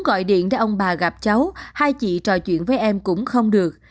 ông bà gặp cháu hai chị trò chuyện với em cũng không được